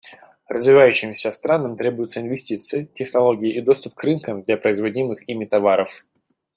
Развивающимся странам требуются инвестиции, технологии и доступ к рынкам для производимых ими товаров.